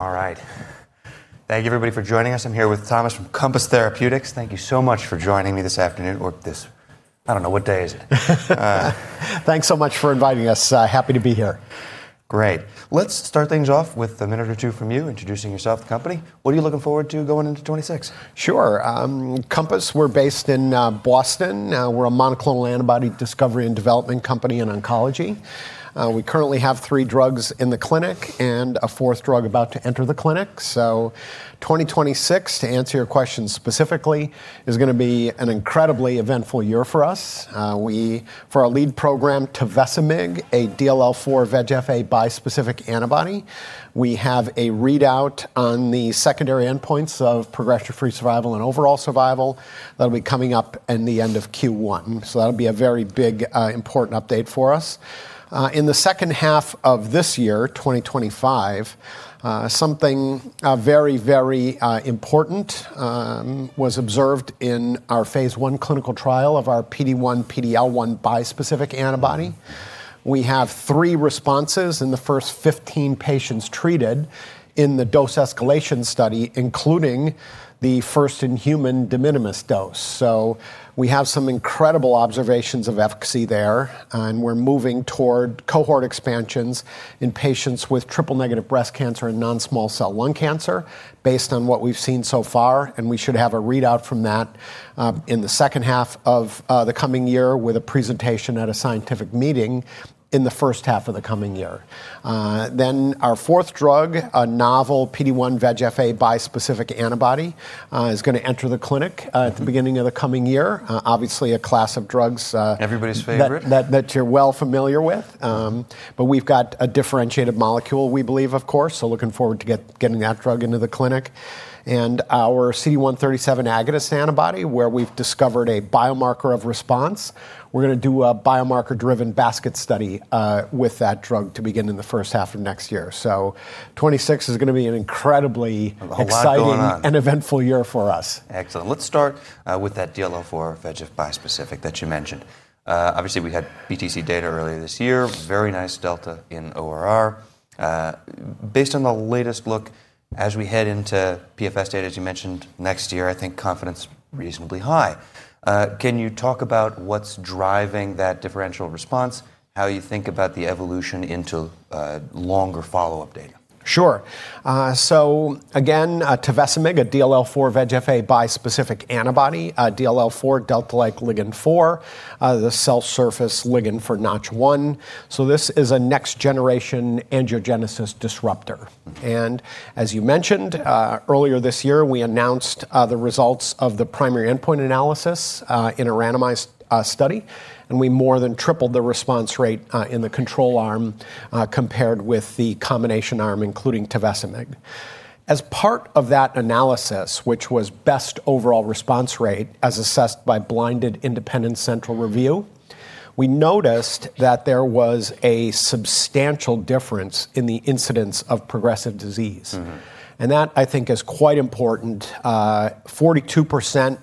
All right. Thank you, everybody, for joining us. I'm here with Thomas from Compass Therapeutics. Thank you so much for joining me this afternoon, or this, I don't know what day it is. Thanks so much for inviting us. Happy to be here. Great. Let's start things off with a minute or two from you, introducing yourself, the company. What are you looking forward to going into 2026? Sure. Compass, we're based in Boston. We're a monoclonal antibody discovery and development company in oncology. We currently have three drugs in the clinic and a fourth drug about to enter the clinic. So 2026, to answer your question specifically, is going to be an incredibly eventful year for us. For our lead program, Tevecimig, a DLL4 VEGF-A bispecific antibody, we have a readout on the secondary endpoints of progression-free survival and overall survival that'll be coming up in the end of Q1. So that'll be a very big, important update for us. In the second half of this year, 2025, something very, very important was observed in our phase I clinical trial of our PD-1, PD-L1 bispecific antibody. We have three responses in the first 15 patients treated in the dose escalation study, including the first-in-human de minimis dose. So we have some incredible observations of efficacy there. And we're moving toward cohort expansions in patients with triple-negative breast cancer and non-small cell lung cancer, based on what we've seen so far. And we should have a readout from that in the second half of the coming year with a presentation at a scientific meeting in the first half of the coming year. Then our fourth drug, a novel PD-1 VEGF-A bispecific antibody, is going to enter the clinic at the beginning of the coming year. Obviously, a class of drugs. Everybody's favorite. That you're well familiar with. But we've got a differentiated molecule, we believe, of course. So looking forward to getting that drug into the clinic. And our CD137 agonist antibody, where we've discovered a biomarker of response, we're going to do a biomarker-driven basket study with that drug to begin in the first half of next year. So 2026 is going to be an incredibly exciting and eventful year for us. Excellent. Let's start with that DLL4 VEGF bispecific that you mentioned. Obviously, we had BTC data earlier this year, very nice delta in ORR. Based on the latest look, as we head into PFS data, as you mentioned, next year, I think confidence is reasonably high. Can you talk about what's driving that differential response, how you think about the evolution into longer follow-up data? Sure. So again, Tevecimig, a DLL4 VEGF-A bispecific antibody, DLL4 delta-like ligand four, the cell surface ligand for NOTCH1. So this is a next-generation angiogenesis disruptor. And as you mentioned, earlier this year, we announced the results of the primary endpoint analysis in a randomized study. And we more than tripled the response rate in the control arm compared with the combination arm, including Tevecimig. As part of that analysis, which was best overall response rate as assessed by blinded independent central review, we noticed that there was a substantial difference in the incidence of progressive disease. And that, I think, is quite important. 42%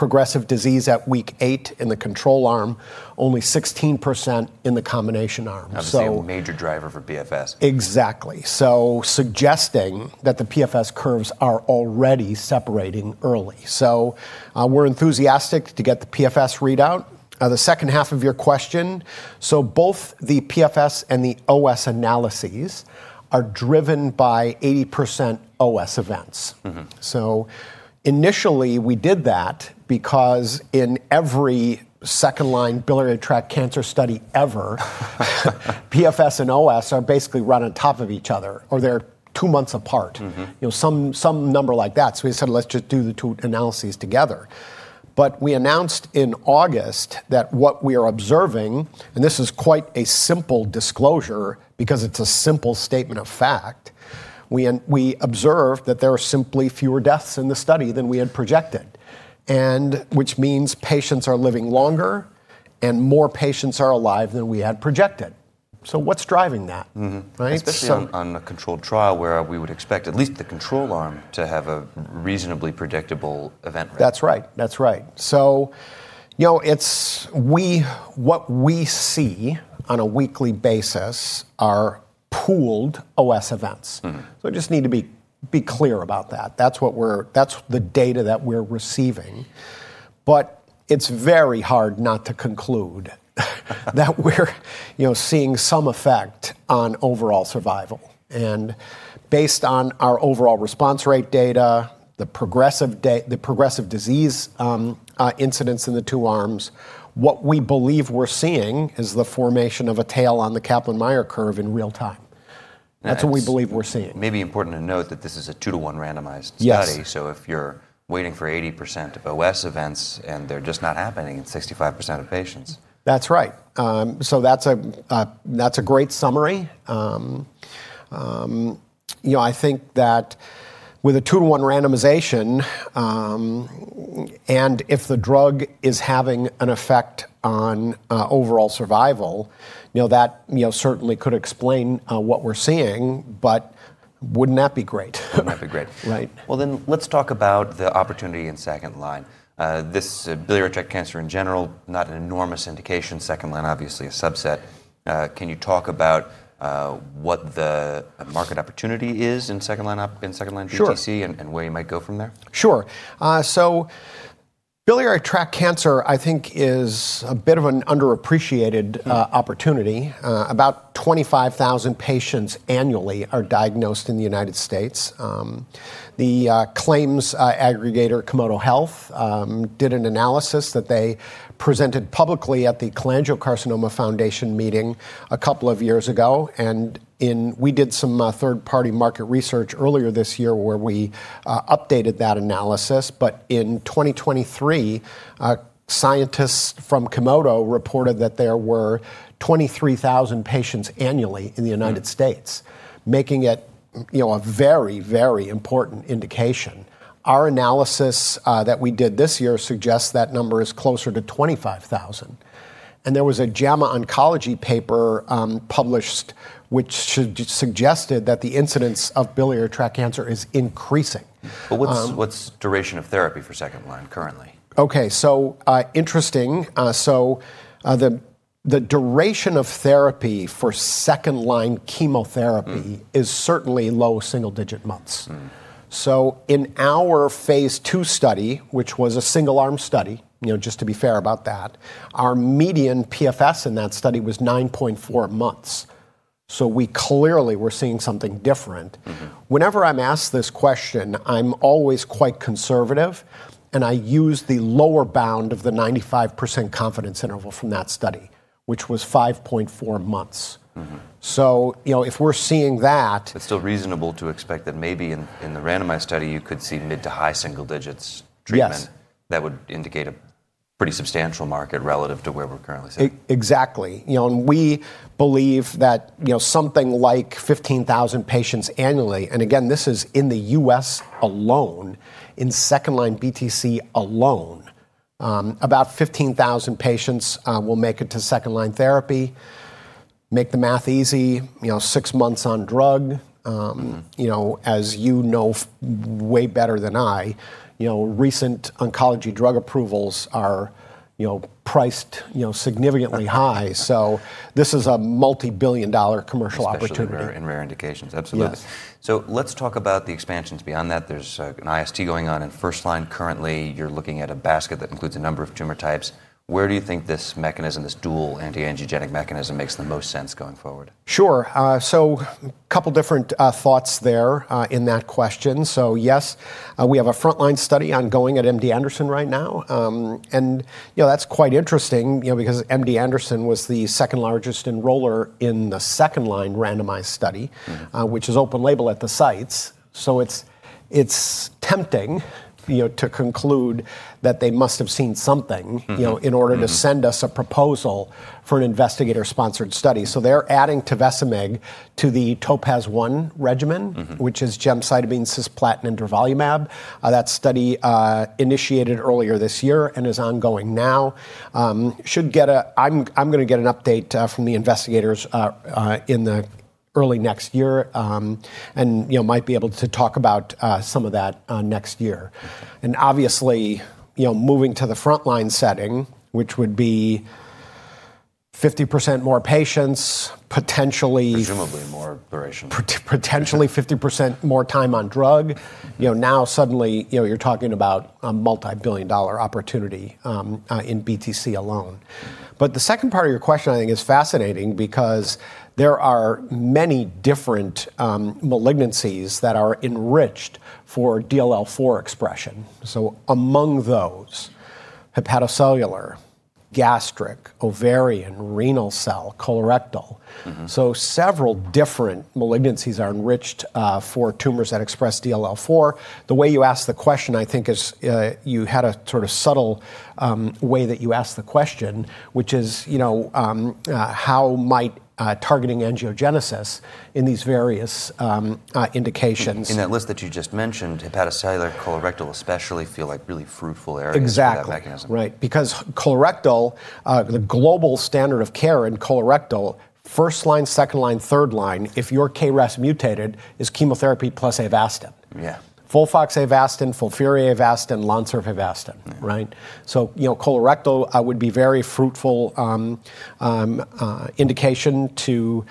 progressive disease at week eight in the control arm, only 16% in the combination arm. That's a major driver for PFS. Exactly. So suggesting that the PFS curves are already separating early. So we're enthusiastic to get the PFS readout. The second half of your question, so both the PFS and the OS analyses are driven by 80% OS events. So initially, we did that because in every second-line biliary tract cancer study ever, PFS and OS are basically run on top of each other, or they're two months apart, some number like that. So we said, let's just do the two analyses together. But we announced in August that what we are observing, and this is quite a simple disclosure because it's a simple statement of fact, we observed that there are simply fewer deaths in the study than we had projected, which means patients are living longer and more patients are alive than we had projected. So what's driving that? Especially on a controlled trial where we would expect at least the control arm to have a reasonably predictable event rate. That's right. That's right, so what we see on a weekly basis are pooled OS events, so I just need to be clear about that. That's the data that we're receiving, but it's very hard not to conclude that we're seeing some effect on overall survival, and based on our overall response rate data, the progressive disease incidence in the two arms, what we believe we're seeing is the formation of a tail on the Kaplan-Meier curve in real time. That's what we believe we're seeing. Maybe important to note that this is a two-to-one randomized study. So if you're waiting for 80% of OS events, and they're just not happening in 65% of patients. That's right. So that's a great summary. I think that with a two-to-one randomization, and if the drug is having an effect on overall survival, that certainly could explain what we're seeing. But wouldn't that be great? That'd be great. Right. Well, then let's talk about the opportunity in second line. This biliary tract cancer in general, not an enormous indication, second line, obviously, a subset. Can you talk about what the market opportunity is in second line BTC and where you might go from there? Sure. So biliary tract cancer, I think, is a bit of an underappreciated opportunity. About 25,000 patients annually are diagnosed in the United States. The claims aggregator, Komodo Health, did an analysis that they presented publicly at the Cholangiocarcinoma Foundation meeting a couple of years ago. And we did some third-party market research earlier this year where we updated that analysis. But in 2023, scientists from Komodo reported that there were 23,000 patients annually in the United States, making it a very, very important indication. Our analysis that we did this year suggests that number is closer to 25,000. And there was a JAMA Oncology paper published, which suggested that the incidence of biliary tract cancer is increasing. What's duration of therapy for second line currently? OK, so interesting. So the duration of therapy for second line chemotherapy is certainly low single-digit months. So in our phase II study, which was a single-arm study, just to be fair about that, our median PFS in that study was 9.4 months. So we clearly were seeing something different. Whenever I'm asked this question, I'm always quite conservative. And I use the lower bound of the 95% confidence interval from that study, which was 5.4 months. So if we're seeing that. It's still reasonable to expect that maybe in the randomized study, you could see mid to high single-digits treatment. Yes. That would indicate a pretty substantial market relative to where we're currently sitting. Exactly. We believe that something like 15,000 patients annually, and again, this is in the U.S. alone, in second line BTC alone, about 15,000 patients will make it to second line therapy. Make the math easy. Six months on drug. As you know way better than I, recent oncology drug approvals are priced significantly high. So this is a multi-billion-dollar commercial opportunity. Rare indications, absolutely. So let's talk about the expansions beyond that. There's an IST going on in first line. Currently, you're looking at a basket that includes a number of tumor types. Where do you think this mechanism, this dual anti-angiogenic mechanism, makes the most sense going forward? Sure. So a couple different thoughts there in that question. So yes, we have a front line study ongoing at MD Anderson right now. And that's quite interesting because MD Anderson was the second largest enroller in the second line randomized study, which is open label at the sites. So it's tempting to conclude that they must have seen something in order to send us a proposal for an investigator-sponsored study. So they're adding Tevecimig to the TOPAZ-1 regimen, which is gemcitabine, cisplatin, and durvalumab. That study initiated earlier this year and is ongoing now. I'm going to get an update from the investigators in the early next year and might be able to talk about some of that next year. And obviously, moving to the front line setting, which would be 50% more patients, potentially. Presumably more duration. Potentially 50% more time on drug. Now suddenly, you're talking about a multi-billion-dollar opportunity in BTC alone. But the second part of your question, I think, is fascinating because there are many different malignancies that are enriched for DLL4 expression. So among those, hepatocellular, gastric, ovarian, renal cell, colorectal. So several different malignancies are enriched for tumors that express DLL4. The way you asked the question, I think, is you had a sort of subtle way that you asked the question, which is, how might targeting angiogenesis in these various indications? In that list that you just mentioned, hepatocellular, colorectal, especially, feel like really fruitful areas for that mechanism. Exactly. Right. Because colorectal, the global standard of care in colorectal, first line, second line, third line, if your KRAS mutated, is chemotherapy plus Avastin. Yeah. FOLFOX Avastin, FOLFIRI Avastin, Lonsurf Avastin. Right? So colorectal would be a very fruitful indication to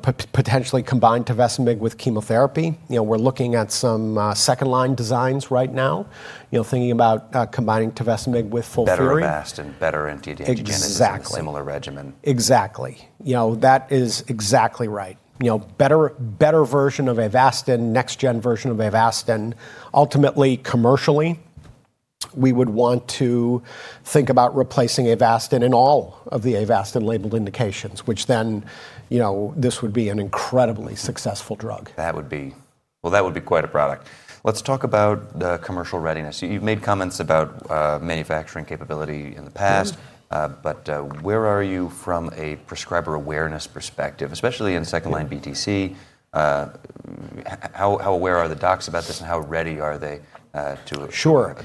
potentially combine Tevecimig with chemotherapy. We're looking at some second line designs right now, thinking about combining Tevecimig with FOLFIRI. Better Avastin, better anti-angiogenics. Exactly. Similar regimen. Exactly. That is exactly right. Better version of Avastin, next-gen version of Avastin. Ultimately, commercially, we would want to think about replacing Avastin in all of the Avastin-labeled indications, which then this would be an incredibly successful drug. That would be quite a product. Let's talk about commercial readiness. You've made comments about manufacturing capability in the past. But where are you from a prescriber awareness perspective, especially in second line BTC? How aware are the docs about this, and how ready are they to adopt it? Sure.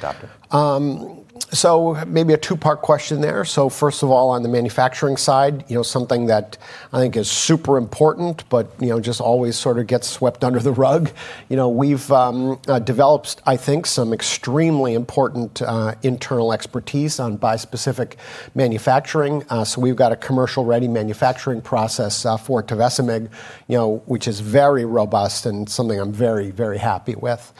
So maybe a two-part question there. So first of all, on the manufacturing side, something that I think is super important, but just always sort of gets swept under the rug. We've developed, I think, some extremely important internal expertise on bispecific manufacturing. So we've got a commercial-ready manufacturing process for Tevecimig, which is very robust and something I'm very, very happy with.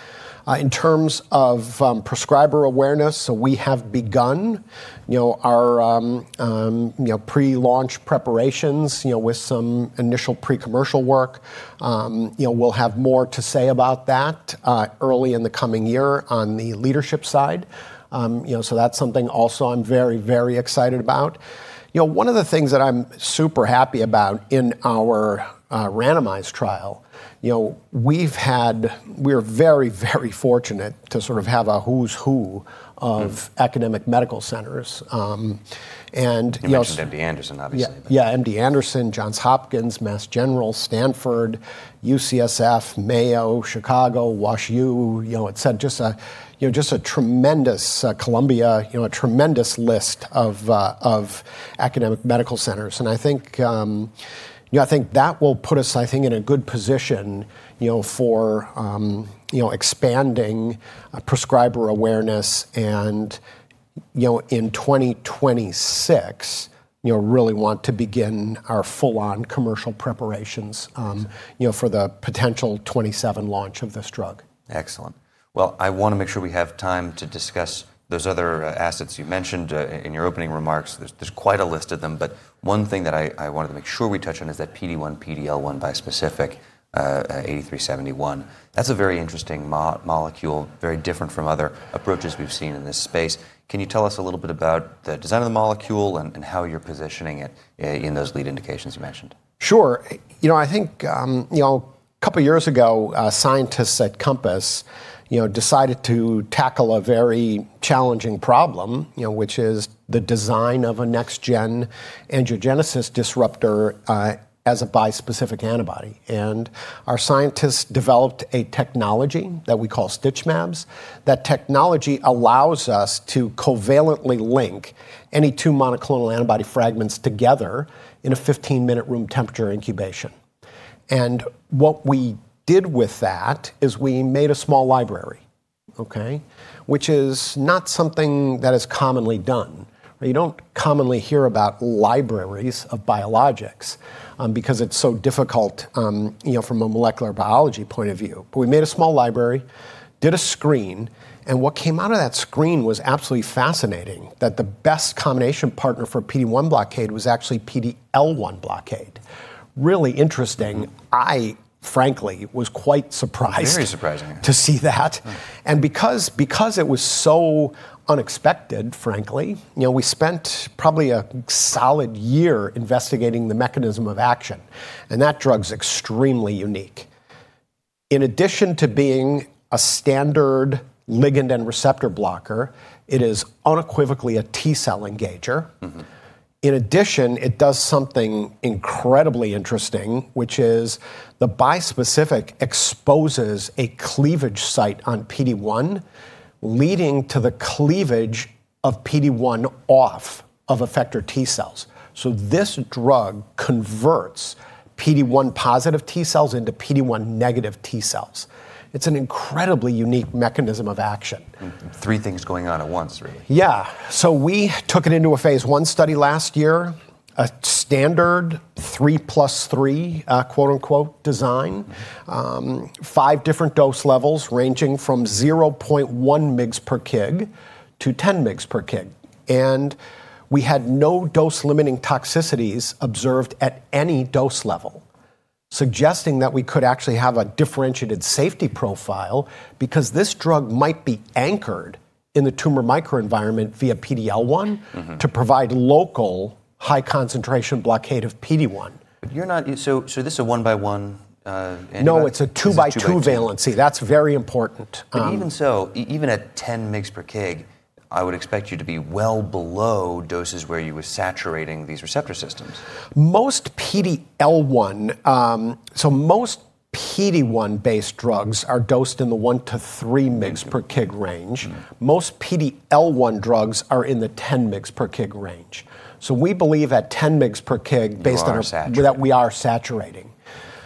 In terms of prescriber awareness, so we have begun our pre-launch preparations with some initial pre-commercial work. We'll have more to say about that early in the coming year on the leadership side. So that's something also I'm very, very excited about. One of the things that I'm super happy about in our randomized trial, we're very, very fortunate to sort of have a who's who of academic medical centers. You mentioned MD Anderson, obviously. Yeah, MD Anderson, Johns Hopkins, Mass General, Stanford, UCSF, Mayo, Chicago, WashU. It's just a tremendous Columbia, a tremendous list of academic medical centers. And I think that will put us, I think, in a good position for expanding prescriber awareness. And in 2026, really want to begin our full-on commercial preparations for the potential 2027 launch of this drug. Excellent. Well, I want to make sure we have time to discuss those other assets you mentioned in your opening remarks. There's quite a list of them. But one thing that I wanted to make sure we touch on is that PD-1, PD-L1 bispecific, 8371. That's a very interesting molecule, very different from other approaches we've seen in this space. Can you tell us a little bit about the design of the molecule and how you're positioning it in those lead indications you mentioned? Sure. I think a couple of years ago, scientists at Compass decided to tackle a very challenging problem, which is the design of a next-gen angiogenesis disruptor as a bispecific antibody. And our scientists developed a technology that we call StitchMabs. That technology allows us to covalently link any two monoclonal antibody fragments together in a 15-minute room temperature incubation. And what we did with that is we made a small library, which is not something that is commonly done. You don't commonly hear about libraries of biologics because it's so difficult from a molecular biology point of view. But we made a small library, did a screen. And what came out of that screen was absolutely fascinating that the best combination partner for PD-1 blockade was actually PD-L1 blockade. Really interesting. I, frankly, was quite surprised. Very surprising. To see that. And because it was so unexpected, frankly, we spent probably a solid year investigating the mechanism of action. And that drug's extremely unique. In addition to being a standard ligand and receptor blocker, it is unequivocally a T-cell engager. In addition, it does something incredibly interesting, which is the bispecific exposes a cleavage site on PD-1, leading to the cleavage of PD-1 off of effector T-cells. So this drug converts PD-1 positive T-cells into PD-1 negative T-cells. It's an incredibly unique mechanism of action. Three things going on at once, really. Yeah. So we took it into a phase I study last year, a standard "3 + 3" design, five different dose levels ranging from 0.1 mg per kg to 10 mg per kg. And we had no dose-limiting toxicities observed at any dose level, suggesting that we could actually have a differentiated safety profile because this drug might be anchored in the tumor microenvironment via PD-L1 to provide local high-concentration blockade of PD-1. So this is a one-by-one? No, it's a two-by-two valency. That's very important. But even so, even at 10 mg per kg, I would expect you to be well below doses where you were saturating these receptor systems. So most PD-1-based drugs are dosed in the one to three mg per kg range. Most PD-L1 drugs are in the 10 mg per kg range. So we believe at 10 mg per kg that we are saturating.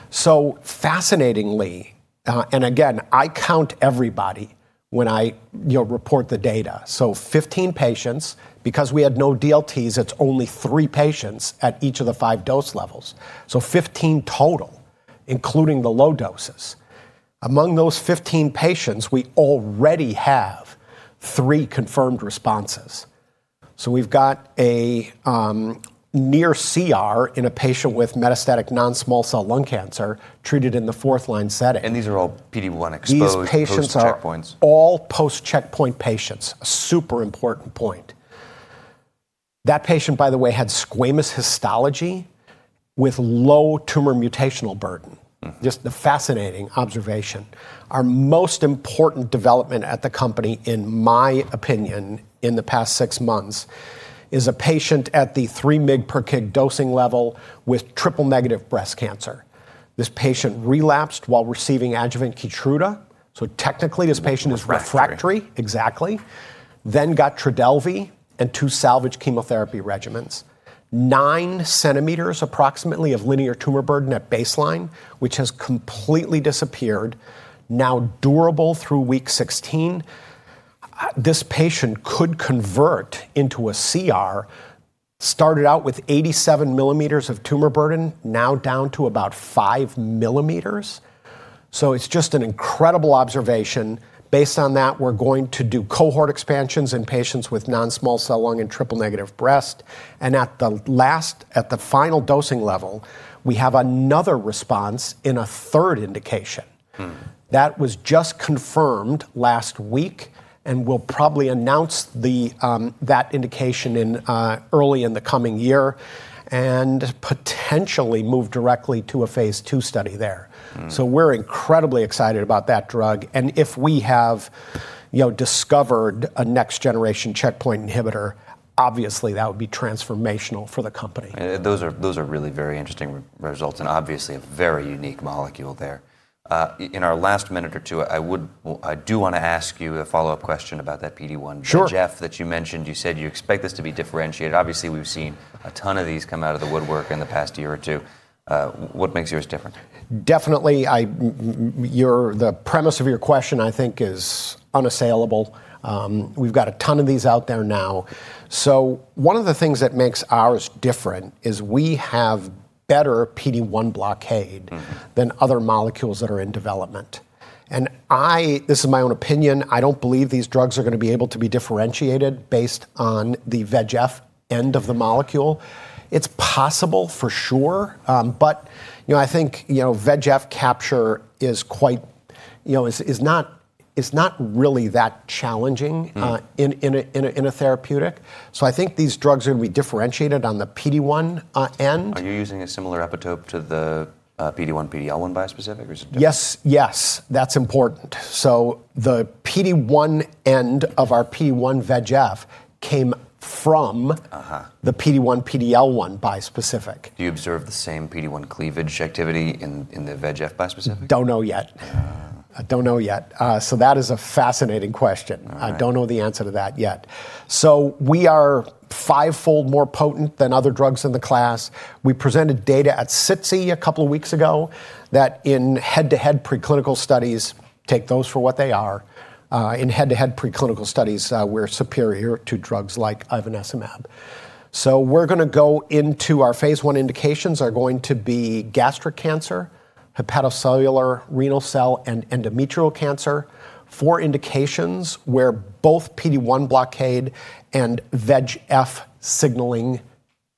So fascinatingly, and again, I count everybody when I report the data. So 15 patients, because we had no DLTs, it's only three patients at each of the five dose levels. So 15 total, including the low doses. Among those 15 patients, we already have three confirmed responses. So we've got a near CR in a patient with metastatic non-small cell lung cancer treated in the fourth-line setting. These are all PD-1 exposed post-checkpoints. These patients are all post-checkpoint patients. Super important point. That patient, by the way, had squamous histology with low tumor mutational burden. Just a fascinating observation. Our most important development at the company, in my opinion, in the past six months, is a patient at the 3 mg per kg dosing level with triple-negative breast cancer. This patient relapsed while receiving adjuvant Keytruda. So technically, this patient is refractory. Refractory. Exactly. Then got Trodelvy and two salvage chemotherapy regimens. Nine centimeters, approximately, of linear tumor burden at baseline, which has completely disappeared, now durable through week 16. This patient could convert into a CR, started out with 87 millimeters of tumor burden, now down to about 5 millimeters, so it's just an incredible observation. Based on that, we're going to do cohort expansions in patients with non-small cell lung and triple negative breast, and at the final dosing level, we have another response in a third indication. That was just confirmed last week and will probably announce that indication early in the coming year and potentially move directly to a phase II study there. We're incredibly excited about that drug, and if we have discovered a next-generation checkpoint inhibitor, obviously that would be transformational for the company. Those are really very interesting results and obviously a very unique molecule there. In our last minute or two, I do want to ask you a follow-up question about that PD-1. Sure. Jeff that you mentioned. You said you expect this to be differentiated. Obviously, we've seen a ton of these come out of the woodwork in the past year or two. What makes yours different? Definitely, the premise of your question, I think, is unassailable. We've got a ton of these out there now. So one of the things that makes ours different is we have better PD-1 blockade than other molecules that are in development. And this is my own opinion. I don't believe these drugs are going to be able to be differentiated based on the VEGF end of the molecule. It's possible, for sure. But I think VEGF capture is not really that challenging in a therapeutic. So I think these drugs are going to be differentiated on the PD-1 end. Are you using a similar epitope to the PD-1, PD-L1 bispecific? Yes, yes. That's important. So the PD-1 end of our PD-1 VEGF came from the PD-1, PD-L1 bispecific. Do you observe the same PD-1 cleavage activity in the VEGF bispecific? Don't know yet. I don't know yet. So that is a fascinating question. I don't know the answer to that yet. So we are five-fold more potent than other drugs in the class. We presented data at SITC a couple of weeks ago that in head-to-head preclinical studies, take those for what they are. In head-to-head preclinical studies, we're superior to drugs like Ivanacimab. So we're going to go into our phase I indications are going to be gastric cancer, hepatocellular, renal cell, and endometrial cancer. Four indications where both PD-1 blockade and VEGF signaling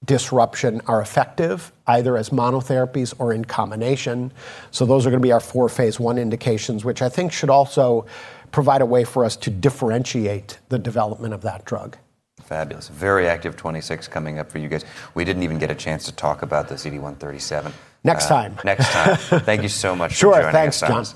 disruption are effective, either as monotherapies or in combination. So those are going to be our four phase I indications, which I think should also provide a way for us to differentiate the development of that drug. Fabulous. Very active 2026 coming up for you guys. We didn't even get a chance to talk about the CD137. Next time. Next time. Thank you so much for joining us. Sure. Thanks.